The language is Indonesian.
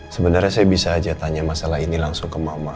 sebenarnya saya bisa aja tanya masalah ini langsung ke mama